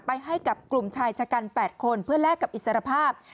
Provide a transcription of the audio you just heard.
ให้กับกลุ่มชายชะกัน๘คนเพื่อแลกกับอิสรภาพ